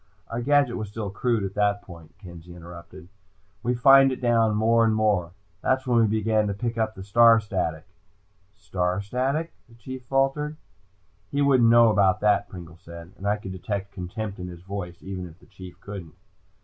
"Our gadget was still crude at that point," Kenzie interrupted. "We fined it down, more and more. That's when we began to pick up the star static." "Star static?" the Chief faltered. "He wouldn't know about that," Pringle said, and I could detect contempt in his voice, even if the Chief didn't.